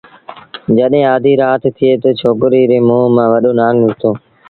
جڏهيݩ آڌيٚ رآت ٿئيٚ تا ڇوڪريٚ ري مݩهݩ مآݩ وڏو نکتو